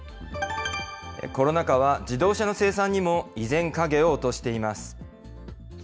コロナ禍は、自動車の生産にも依然、影を落としています。